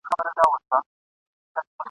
په لوی لاس چي مو پرې ایښي تر خالقه تللي لاري ..